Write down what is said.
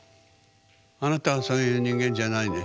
あなたはそういう人間じゃないでしょ？